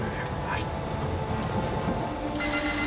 はい。